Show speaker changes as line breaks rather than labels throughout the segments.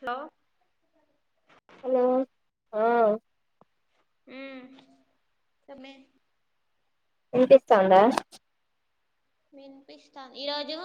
Hello
hello అవున
మ్మ్ sir లే
వినిపిస్తుందా
వినిపిస్తాంది ఈరోజు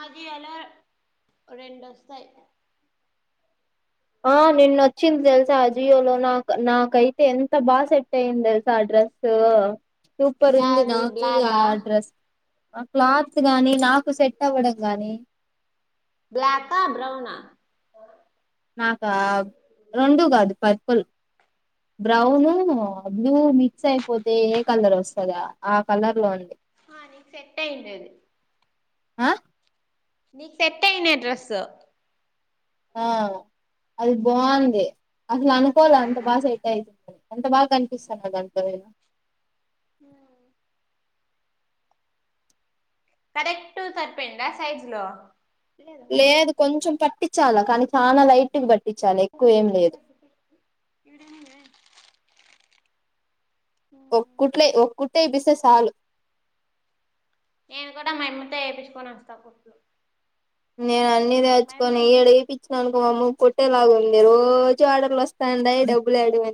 ఆది అలా రెండోస్తాయి
అ నిన్న వచ్చింది తెలుసా అజియోలో నాకు నాకైతే ఎంత బాగా సెట్ అయ్యంది తెలుసా అ డ్రెస్ సూపర్ ఉంది
యాది
నాకు ఆ
బ్లాకా
డ్రెస్ ఆ క్లాత్ గాని నాకు సెట్ అవ్వడం గాని
బ్లాక్ ఆ బ్రౌన్ ఆ
నాకా రెండు కాదు పర్ప్ ల్ బ్రౌను బ్లూ మిక్స్ అయిపోతే ఏ కలర్ వస్తదా ఆ కలర్ లో ఉంది
ఆ నీక్ సెట్ అయిందది
ఆ
నీకు సెట్ అయింది డ్రస్
ఆ అది బాగుంది అసలు అనుకోల అంత బాగా సెట్ అయి ఎంత బాగా కనిపిస్తాందో దాంటో నేను
[inaudible] కరెక్ట్ సరిపోయిందా సైజ్ లో లేదు
లేదు కొంచెం పట్టించాల కానీ చాలా లైట్ బట్
[inaudible] [unintelligible]
ఒక్కుట్లే ఒకుట్టేపిస్తే సాలు
నేను కూడా మాయమ్మతో ఏపీచుకొని వస్తా కుట్లు
నేను అన్ని
నాకు మా యమ్మ
దాచుకొని ఈడ ఏపి
అయితే
వనుకో మమ్మ కోట్టేలాగా ఉంది రోజు ఆర్డర్లు వస్తండై డబ్బుల్యాడివి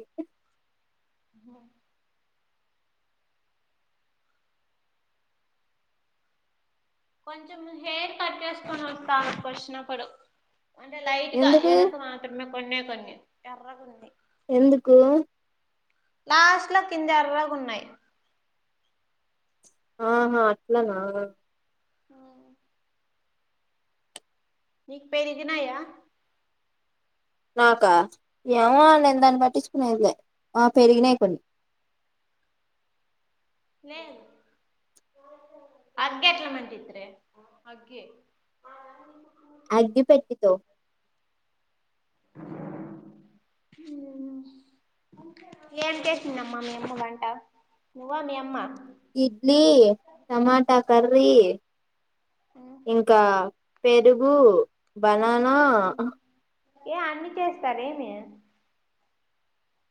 హ కొంచెం హెయిర్ కట్ చేసుకుని వస్తా ఆడ కొచ్చినప్పుడు అంటే లైట్ గా
ఎందుకు
ఎనక మాత్రమే కొన్నే కొన్ని ఎర్రగున్నై
ఎందుకు
లాస్ట్లో కింద ఏర్రాగున్నయి
ఆహా అట్లనా
నీకు పేరిగినయ
నాకా ఏమో నేను దాన్ని పట్టించుకునేదిలే ఆ పెరిగినాయి కొన్ని
నే అగ్గెట్ల మండిత్తరే అగ్గే
అగ్గిపెట్టి తో
హమ్ ఏం చేసిందమ్మ మీ అమ్మ వంట నువ్వా మీ అమ్మ
ఇడ్లీ టమాటా కర్రీ ఇంకా పెరుగు బనానా
ఏ అన్ని చేస్తారు ఏమి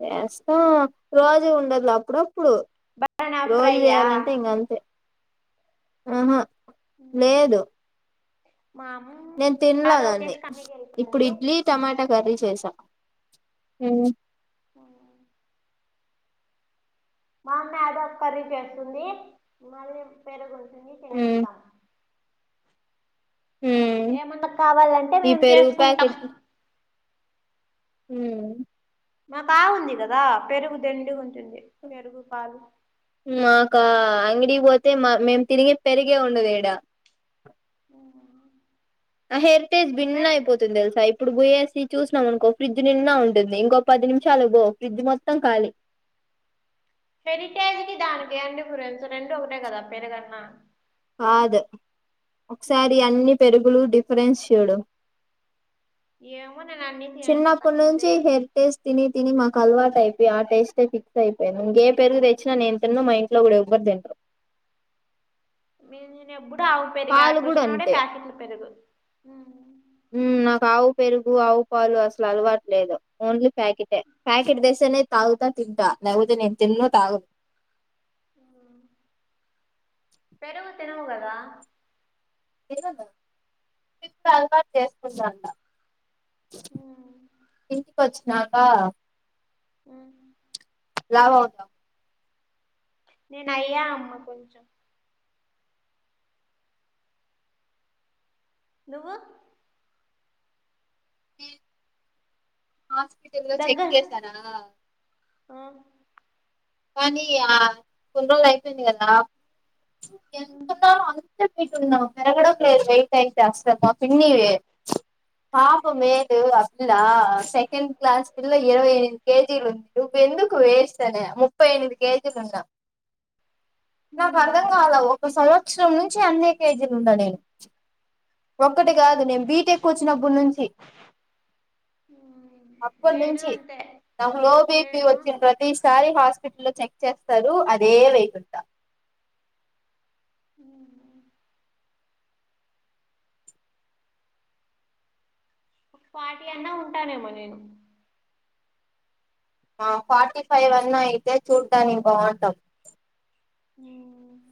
చేస్తా రోజు ఉండదు అప్పుడప్పుడు
బనానా
రోజు
ఫ్రైయా
చేయాలంటే ఇంక అంతే ఆహా లేదు
మా అమ్
నేన్ తిన్ల దాన్ని ఇప్పుడు ఇడ్లీ టమాటా కర్రీ చేశాం హ్మ్
మా అమ్మ అదో పది చేస్తుంది మళ్ళీ పేరుగు ఉంటుంది
ఉమ్
తినేస్తాం
ఉమ్
ఏమన్న కావాలంటే
ఈ
మేమ్
పెరుగు
చేసుకుంటాం
ప్యాకెట్ మ్
మాక్ ఆవుంది కదా పెరుగు దండిగ ఉంటుంది పెరుగు పాలు
మాకా అంగడి పోతే మా మేము తిరిగి పెరిగే ఉండదిడా
అవునా
ఆ హెర్టేజ్ భిన్న అయిపోత్ తుంది తెలుసా ఇప్పుడు పోయేసి చూసినాం అనుకో ఫ్రిడ్జ్ నిండా ఉంటుంది ఇంకో పది నిమిషాలు బో ఫ్రిడ్జ్ మొత్తం ఖాలీ
హెరిటేజ్ కి దానికి ఏం డిఫరెన్స్ రెండు ఒకటే కదా పేరుగు అన్న
కాద ఒకసారి అన్ని పెరుగులు డిఫరెన్స్ చూడు
ఏమో నేనన్ని
చిన్నప్పుడు నుంచి హెర్ టేస్ట్ తిని తిని మాకు అలవాటు అయిపోయి ఆ టేస్టే ఫిక్స్ అయిపోయి ఇంక ఏ పెరుగు తెచ్చినా నేను తిన్ను మా ఇన్ ట్లో కూడా ఎవరు తిన్రు
మీ నేను ఎప్పుడ ఆవు పెరిగి
పాలు
ఆడిక
కూడా
వచ్చినప్పుడే
అంతే
ప్యాకెట్లు పెరుగు ఉం
ఉం నాకు ఆవు పెరుగు ఆవు పాలు అసలు అలవాటులేదు ఓన్లీ ప్యాకెటే ప్యాకెట్ తెస్తేనే తాగుతా తింటా లేకపోతే నేన్ తిన్ను తాగు
పెరుగు తినవు కదా
ఎందంట ఇప్పుడు అలవాటు చేసుకుందంట ఇంటికి వచ్చినాక
ఉం
లావు అవుతావు
నేను అయ్యా అమ్మ కొంచెం నువ్వు
హాస్పిటల్ లో చెక్
దగ్గర
చేసార
ఆ
కానీ అ కొన్నిరోజులు అయిపోయింది కదా
ఆ
ఎంత తన్నా అ [unintelligible] పెరగడం లేదు వెయిట్ అయితే అస్సలు పిన్నీవి హ మేద [unintelligible] లా సెకండ్ క్లాస్ పిల్ల ఇరవై ఎనిమిది కేజీలు ఉంది నువ్వు ఎందుకు వేస్టే న ముప్పై ఎనిమిది కేజీలు ఉన్న నాకు అర్థం కాల ఒక సవత్స చరం నుంచి అన్నే కేజీలు ఉండా నేను ఒక్కటి కాదు నేను బీటెక్ వచ్చినప్పుడు నుంచి అప్పటి
నేను
నుంచి
అంతే
నాకు లోబీపీ
నేను
వచ్చిన ఈ సారి హాస్పిటల్ లో చెక్ చేస్తారు అదే వెయిట్ ఉంట
అవునా పార్టీ అన్నా ఉంటానేమో నేను
ఆ ఫార్టీ ఫైవ్ అన్నా అయితే చూడ్డానికి బాఉం టాం
ఉం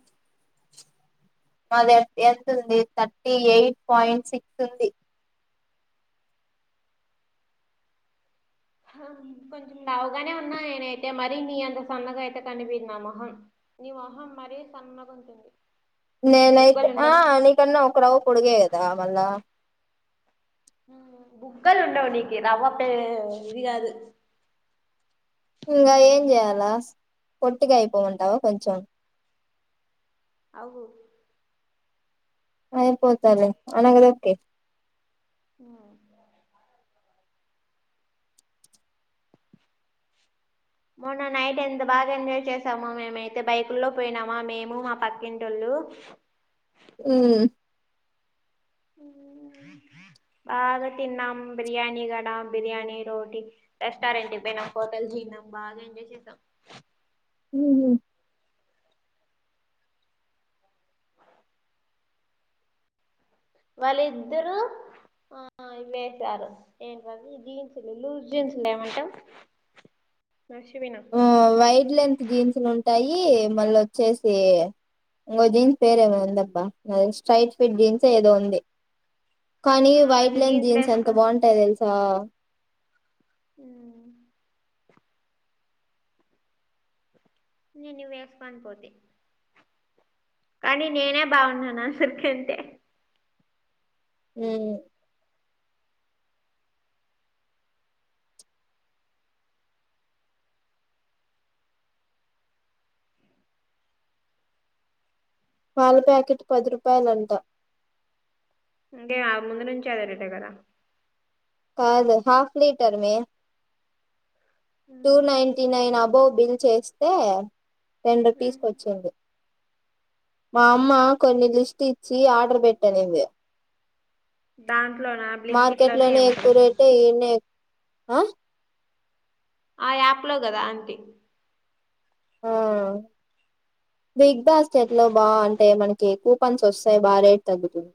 మా ద ఎంత ఉంది థర్టీ ఎయిట్ పాయింట్ సిక్స్ ఉంది [unintelligible]
కొంచెం లావుగానే ఉన్నా నేనైతే మరి నీ అంత సన్నగా అయితే కనిపియ్యదు నా మొహం నీ మొహం మరీ సన్నగుంటుంది
నేనయితే
బుగ్గలు
ఆ
ఉండవు
నికన్నా ఒక్క రవ్వ పొడుగే కదా మళ్లా
బుగ్గలు ఉండవు నికి నవ్వొస్తే ఇది కాదు [unintelligible]
ఇంగా ఏం చేయాలా పొట్టిగా అయిపో మంటావా కొంచెం
అవు
అయిపోతలే అనగా తొక్కేయి
ఆ మొన్న నైట్ ఎంత బాగా ఎంజాయ్ చేసామో మేము అయితే బైకు లో పోయినామా మేము మా పక్కింటోలు
ఉం
బాగా తిన్నాం బిర్యానీ గడా బిర్యానీ రోటీ రెస్టారెంట్ కి పోయినాం హోటల్ పోయినం. బాగా ఎంజాయ్ చేసాం
హు హమ్
ఆ వాళ్ళిద్దరు ఆ ఇ వేశారు ఏంటి ఆవి జీన్సులు లూస్ జీన్స్ ఏమంటాం నడిచిపోయిన
వైట్ లెంత్ జీన్స్లు ఉంటాయి మళ్ళ వచ్చేసి ఇంగో జీన్స్ పేరు ఏదో ఉంది అబ్బ స్ట్రైట్ ఫిట్ జీన్స్ ఏదో ఉంది కానీ
ఆ
వైట్
వాళ్ళు
లైన్
జీన్స్లు
జీన్స్ ఎంత
వేసుకొని
బాగుంటాయో తెలుసా
హ్ నేను ఇవి ఏసుకొనిపోతి కానీ నేనే బాగున్నాను అందరి కంటే
ఏ పాల ప్యాకెట్ పది రూపాయలు అంట
అంటే ఆ ముందు నుంచి అదే రేటు కదా
కాదు హాఫ్ లీటర్ మే టూ
కదా
నైన్టీ నైన్ అబోవ్ బిల్ చేస్తే టెన్ రూపీస్కి వచ్చింది మా అమ్మ కొన్ని లిస్ట్ ఇచ్చి ఆర్డర్ పెట్టనుంది
దాంట్లోన బ్లింక్ ఇట్ లోన ఏమో
టేనే ఆ
ఆ యాప్ లో కదా అంటి
ఆ బిగ్ బాస్కెట్ లో బాగుంటాయి మనకి కూపన్స్ వస్తాయి బా రేట్ తగ్గుతుంది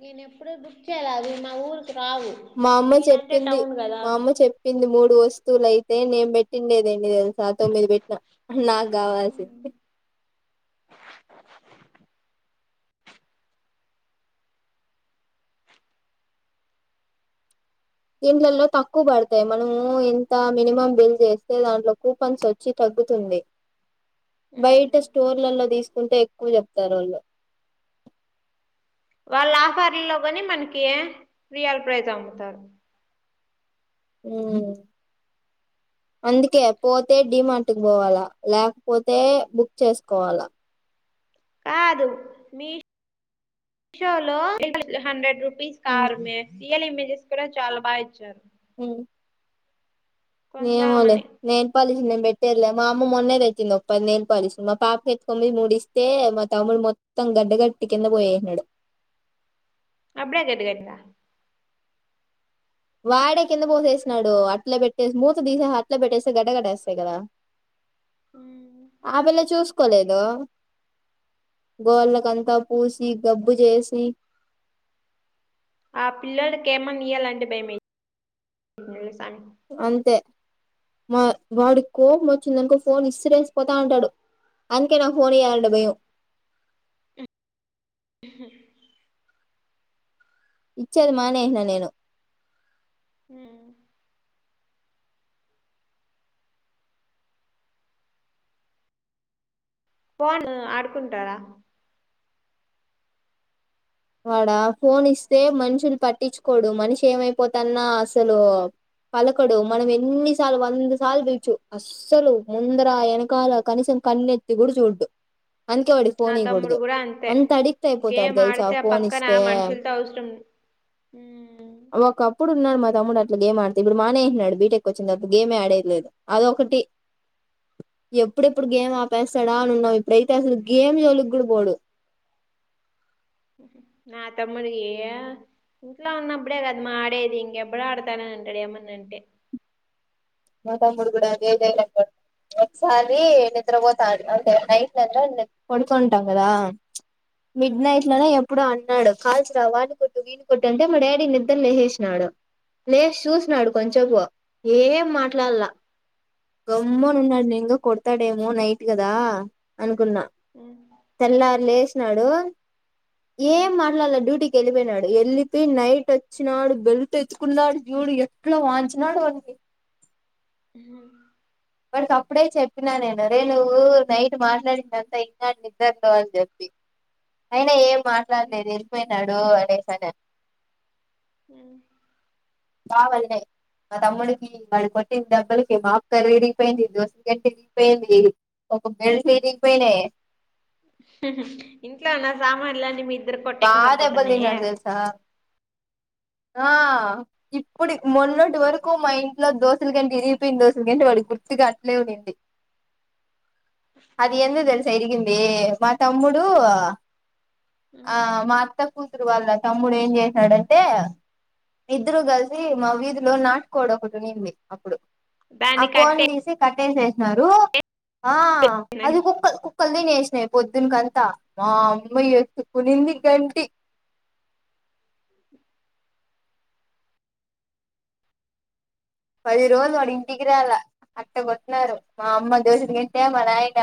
నేను ఎప్పుడూ బుక్ చేయలే అది మా ఊరికి రావు
మా అమ్మ
మీదంటే
చెప్పింది
టౌన్ కదా
మా అమ్మ చెప్ ప్పింది మూడు వస్తువులు అయితే నేను పెట్టింది ఏది ఎన్ని తెలుసా తొమ్మిది పెట్ నా నాకు కావలసింది దీంట్లలో తక్కువ పడతాయి మనము ఇంత మినిమం బిల్ చేస్తే దాంట్లో కూపన్స్ వచ్చి తగ్గుతుంది బయట స్టోర్లలో తీసుకుంటే ఎక్కువ చెప్తారు వాళ్ళు
వాళ్ళ ఆఫర్లో కోని మనకి రియల్ ప్రైజ్ అమ్ముతారు
హ్ అందుకే పోతే డిమార్ట్ పోవాలా లేకపోతే బుక్ చేసుకోవాలా
కాదు మీ మీషో లో హండ్రెడ్ రూపీస్ కార్ మే రియల్ ఇమేజెస్ కూడా చాలా బాగా ఇచ్చారు
ఉ ఏమోలే
కొందామని
నెల్ పాలిష్ నేను పెట్టేళ్లే మా అమ్మ మొన్నది తెచ్చింది ఓ పది నెల్ పాలిష్లు మా పాప ఎత్తుకొది మూడిస్ అయితే మా తమ్ముడు మొత్తం గడ్డ గట్టి కింద పోయేసినాడు
అప్పుడే గడ్డ కట్టిందా
వాడే కింద పోసేసినాడు అట్ల పెట్టేసి మూత తీసేసి అట్లా పెట్టేస్తే గడ్డకట్టేస్తాయి కదా
ఉ
ఆ పిల్ల చూసుకోలేదు గోళ్ళకంతా పూసి గబ్బు చేసి
ఆ పిల్లడికి ఏమన్నా ఇయ్యాలంటే భయమయింది తెలుసా
అంతే మా వాడికి కోపం వచ్చిందనుకో ఫోన్ ఇస్తురేసి పోతా ఉంటాడు అందుకే నాకు ఫోన్ ఇయాలంటే భయం
ఉమ్ ఇహా
ఇచ్చేది మానేసినా నేను
హు ఫోన్ ఆడుకుంటారా
వాడ ఫోన్ ఇస్తే మనుషులు పట్టించుకోడు మనిషి ఏమైపోతన్నా అసలు పలకడు మనం ఎన్నిసార్లు వంద సార్లు పిలుచు అస్ అస్సలు ముందర ఎనకాల కనీసం కన్నెత్తి గూడ చూడ్డు అందుకే వాడికి
నా
ఫోన్
తమ్ముడు
ఇవ్వకూడదు
కూడా అంతే
అంత అడిక్ట్ అయిపోతాడు
గేమ్
తెల్సా
ఆడితే పక్కన మనుషులతో అవసరం ఉ
ఒకప్పుడు ఉన్నాడు మా తమ్ముడు అట్లా గేమ్ ఆడితే ఇప్పుడు మానేసినాడు బీటెక్ కొచ్చినా తర్వాత గేమే ఆడేది లేదు అదొకటి ఎప్పుడెప్పుడు గేమ్ ఆపేస్తాడా అని ఉన్నావు ఇప్పుడైతే అసలు గేమ్ జోలికి కూడా పోడు
నా తమ్ముడు ఎ ఆ ఇంట్లో ఉన్నప్పుడే కదమ్మా ఆడేది ఇంకెప్పుడు ఆడుతాను అని అంటాడు ఏమన్నా అంటే
మా తమ్ముడు కూడా అదే డైలాగ్ ఒకసారి నిద్ర పోతా అంటే నైట్ అంత పడుకుంటాం కదా మిడ్ నైట్
ఉమ్,
లోనో ఎప్పుడో కాల్చరా వాన్ని కొట్టు విన్నీ కొట్టు అంటే మా డాడీ నిద్రలేసేసినాడు లేసి
ఉమ్,
చూసినడు కొంచెపు ఏం
ఉమ్,
మాట్లాడలా గమ్మను ఉన్నాడు నింకా కొడతాడేమో నైట్ కదా అనుకున్నా
ఉ
తెల్లారు లేసినాడు ఏం
ఉమ్,
మాట్లాడలే డ్యూటీకి కి వెళ్ళిపోయినాడు వెళ్లిపో నైట్ వచ్చినాడు బెల్ట్ ఎత్తుకున్నాడు జూడు ఎట్లా వాంచినాడు వాని
హ
వానికి అప్పుడే చెప్పినా నేను అరే నువ్వు నైట్ మాట్లాడింది అంత విన్నాడు నిద్దర్లో అని చెప్పి అయినా ఏ మా ట్లాడ
ఉమ్,
లేదు వెళ్ళిపోయినాడు అనేసాను
ఆ
బావ అంటే మా తమ్ముడికి వాళ్ళు కొట్టిన డబ్బలకి మాఫ కర్రీడి పోయింది దోశలు కట్టే ఇరిగిపోయింది ఒక బెల్ట్ విరిగిపోయిన
ఇంట్లో ఉన్న సామాన్ల అన్నీ మీ ఇద్దరు కొట్టేకే
బాగా దెబ్బలు
సరిపోతున్నాయే
తిన్నాడు తెలుసా
అ
ఆ ఇప్పుడు మొన్నటి వరకు మా ఇంట్లో దోసలు గెంటి విరిగిపోయిన దోశల గెంటి వాడు గుర్తుగా అట్లే ఉండి అది
ఉహు,
ఎందుకు తెలుసా ఇరిగింది మా తమ్ముడు ఆ
ఉమ్.
మా అత్త కూతురు వాళ్ళ తమ్ముడు ఏం చేసాడంటే ఇద్దరు కలిసి మా వీధిలో నాటుకోడి ఒకటి ఉన్నింది అప్పుడు ఆ
దాన్ని
కోడి
కట్టే
తీసి కట్టేసేసినారు ఆ అది కుక్క కు క్కలు తినేసినాయి పొద్దునకంతా మా అమ్మ ఎత్తుకునింది గంటి పది రోజులు వాడు ఇంటికిరాల అట్ట కొట్టినాడు మా అమ్మ దోసిల గెంటి మా నాయన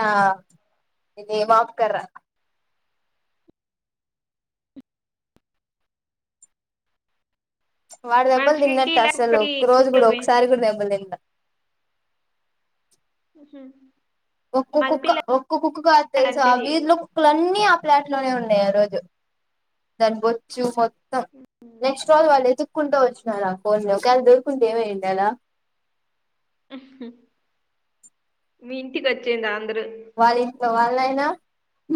ఇదే మాక్కర్ర వాడు దెబ్బలు
మనుషులకి
తిన్నట్టు
ఇలా
అసలు
కుక్కకి
ఒక్క రోజు కూడా
కుక్కలకి
ఒకసారి కూడా దెబ్బలు తిండు
ఉహు
ఒక్కొ కుక్క ఒక్కో కుక్క కాదు తెలుసా ఆ
అంతేది
వీధిలో కులన్నీ ఆ ప్లాట్ లోనే ఉన్నాయి ఆ రోజు [inaudible] దాని బొచ్చు నెక్స్ట్ వాల్ వాళ్ళు ఎతుక్కుంటూ వచ్చిన్నారు ఆ కొన్నీ ఒకవేళ దొరుకుంటే ఏమయండి అలా
ఉహు మీ ఇంటికి వచ్చింద అందరు
వాళ్ళ ఇంట్లో వాళ్ళ నాయిన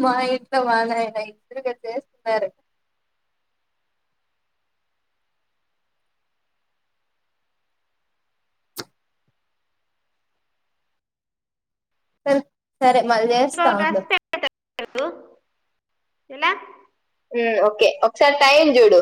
మా ఇంట్లో మా నాయిన ఇద్దరుగా కట్టేసినారు సర్ సరే మళ్ళ చేస్తా ఉండు
హలో ఎలా
హ్మ్ ఓకే ఒకసారి టైమ్ చూడు